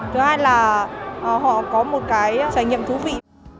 thứ hai là họ có một cái trải nghiệm thú vị